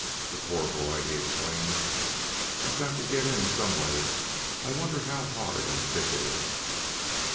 "The poor bhoy!" he exclaimed. "I've got to get in some way. I wonder how hard and thick it is."